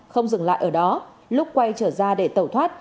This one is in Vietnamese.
không dừng lại ở đó lúc quay trở ra để tẩu thoát